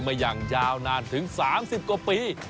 มาอย่างยาวนานถึง๓๐กว่าปี